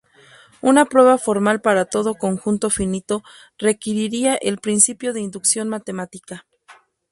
Una prueba formal para todo conjunto finito requeriría el principio de inducción matemática.